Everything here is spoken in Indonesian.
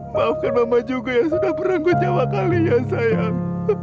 maafkan mama juga yang sudah beranggo jawa kalian sayang